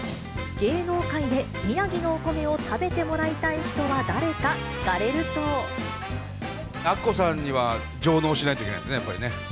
芸能界で宮城のお米を食べてもらいたい人は誰か、アッコさんには、上納しないといけないですね、やっぱりね。